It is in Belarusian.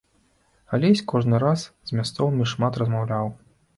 Алесь кожны раз з мясцовымі шмат размаўляў.